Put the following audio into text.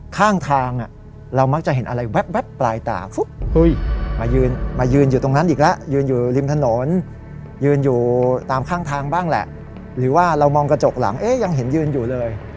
ข้างทางเรามักจะเห็นอะไรแว๊บปลายตามายืนอยู่ตรงนั้นอีกแล้วยืนอยู่ริมถนนยืนอยู่ตามข้างทางบ้างแหละหรือว่าเรามองกระจกหลังเอ๊ะยังเห็นยืนอยู่เลย